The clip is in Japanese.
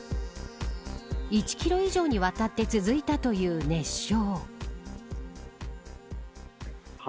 １キロ以上にわたって続いたという熱唱。